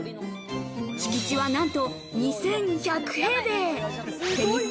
敷地は何と２１００平米。